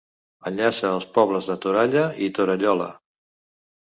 Enllaça els pobles de Toralla i Torallola.